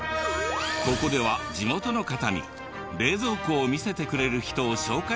ここでは地元の方に冷蔵庫を見せてくれる人を紹介してもらった。